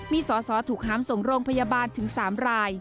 มีสอสอถูกหามส่งโรงพยาบาลถึง๓ราย